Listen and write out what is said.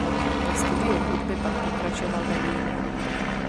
Ve studiu hudby pak pokračoval ve Vídni.